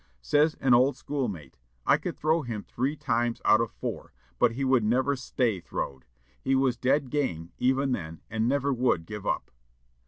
Says an old schoolmate, "I could throw him three times out of four, but he would never stay throwed. He was dead game, even then, and never would give up."